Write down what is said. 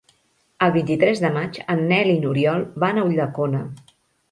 El vint-i-tres de maig en Nel i n'Oriol van a Ulldecona.